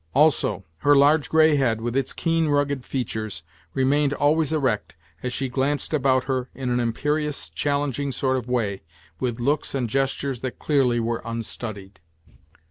Also, her large grey head, with its keen, rugged features, remained always erect as she glanced about her in an imperious, challenging sort of way, with looks and gestures that clearly were unstudied.